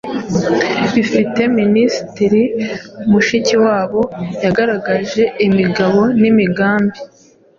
bifite Minisitiri Mushikiwabo yagaragaje imigabo n’imigambi